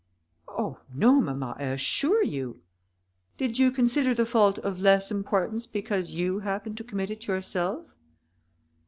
"Oh! no, mamma, I assure you." "Did you consider the fault of less importance because you happened to commit it yourself?"